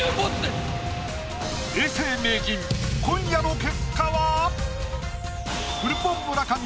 永世名人今夜の結果は？